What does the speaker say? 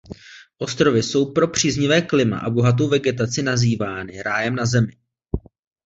Ostrovy jsou pro příznivé klima a bohatou vegetaci nazývány „rájem na zemi“.